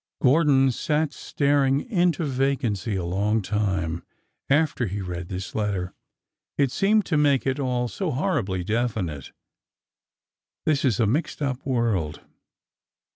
Gordon sat staring into vacancy a long time after he read this letter. It seemed to make it all so horribly defi nite. ... This is a mixed up world.